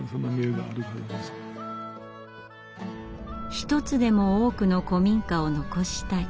一つでも多くの古民家を残したい。